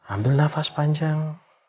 ambil nafas panjang